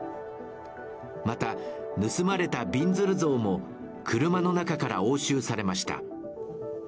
また、盗まれたびんずる像も車の中から押収されました。